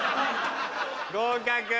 合格。